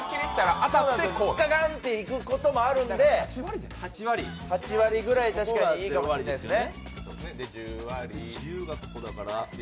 ガガンっていくこともあるので、８割ぐらい、確かにいいかもしれないですね。